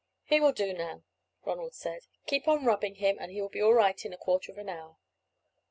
"He will do now," Ronald said. "Keep on rubbing him, and he will be all right in a quarter of an hour."